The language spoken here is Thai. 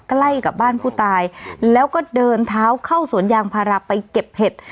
ใกล้กับบ้านผู้ตายแล้วก็เดินเท้าเข้าสวนยางพาราไปเก็บเห็ด